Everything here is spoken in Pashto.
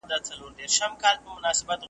ورځ به په خلوت کي د ګناه د حسابو نه وي .